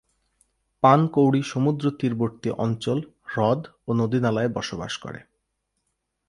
পানকৌড়ি সমুদ্রতীরবর্তী অঞ্চল, হ্রদ ও নদীনালায় বসবাস করে।